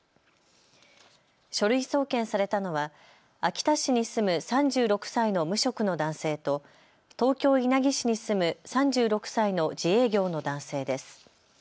書類送検されたのは秋田市に住む３６歳の無職の男性と東京稲城市に住む３６歳の自営業の男性です。